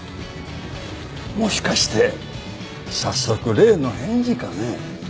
もしかして早速例の返事かね？